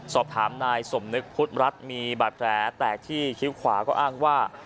สอบถามนายสมนึกพุทธรัฐมีบาดแผลแตกที่คิ้วขวาก็อ้างว่า